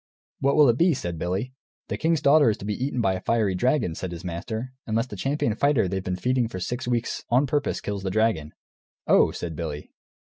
"What will it be?" said Billy. "The king's daughter is to be eaten by a fiery dragon," said his master, "unless the champion fighter they've been feeding for six weeks on purpose kills the dragon." "Oh," said Billy.